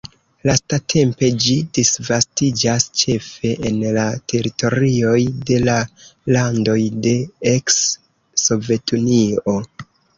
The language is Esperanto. Lastatempe ĝi disvastiĝas ĉefe en la teritorioj de la landoj de eks-Sovetunio.